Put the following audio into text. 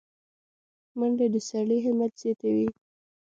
منډه د سړي همت زیاتوي